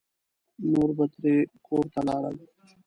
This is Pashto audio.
نور به ترې کور ته لاړل.